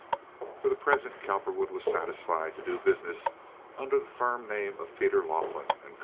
For the present Cowperwood was satisfied to do business under the firm name of Peter Laughlin & Co.